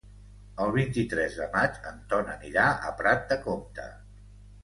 El vint-i-tres de maig en Ton anirà a Prat de Comte.